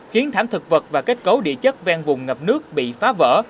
khiến thảm thực vật và kết cấu địa chất ven vùng ngập nước bị phá vỡ